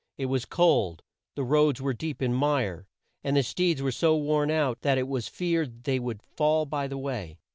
It was cold, the roads were deep in mire, and the steeds were so worn out, that it was feared they would fall by the way.